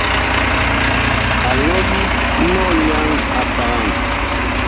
A lɔm mɔlyaŋ a paam.